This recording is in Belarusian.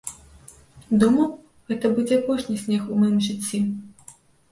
Думаў, гэта будзе апошні снег у маім жыцці.